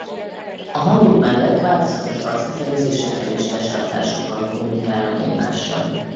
A hangok mellett változatos arckifejezésekkel és testtartásokkal kommunikálnak egymással.